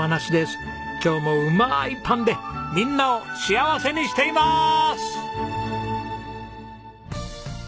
今日もうまいパンでみんなを幸せにしています！